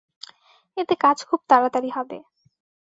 এতে কাজ খুব তাড়াতাড়ি হবে।